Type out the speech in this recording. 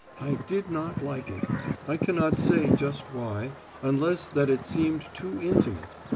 I did not like it I cannot say just why, unless that it seemed too intimate.